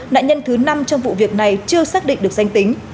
nạn nhân thứ năm trong vụ việc này chưa xác định được danh tính